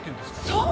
そう！